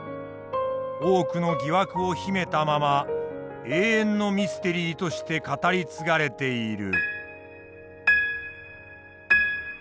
多くの疑惑を秘めたまま永遠のミステリーとして語り継がれている。